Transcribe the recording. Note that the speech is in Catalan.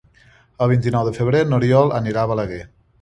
El vint-i-nou de febrer n'Oriol anirà a Balaguer.